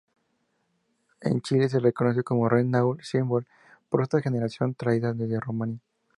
En Chile, se le conoce como Renault Symbol para esta generación traída desde Rumania.